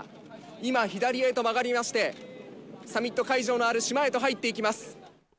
今、左へと曲がりまして、サミット会場のある島へと入っていきます。